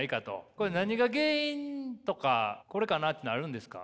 これ何が原因とかこれかなっていうのあるんですか？